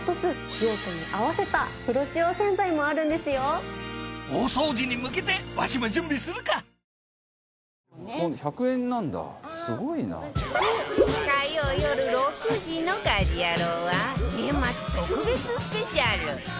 火曜よる６時の『家事ヤロウ！！！』は年末特別スペシャル